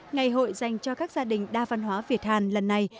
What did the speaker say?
ngày hội dành cho các gia đình đa văn hóa việt hàn lần này